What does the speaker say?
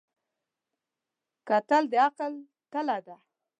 کتل د عقل تله ده